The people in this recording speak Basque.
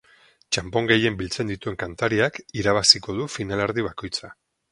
Txanpon gehien biltzen dituen kantariak irabaziko du finalerdi bakoitza.